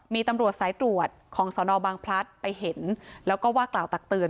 มีตำรวจสายตรวจของสนบางพลัดไปเห็นแล้วก็ว่ากล่าวตักเตือน